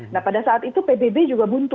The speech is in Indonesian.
nah pada saat itu pbb juga buntu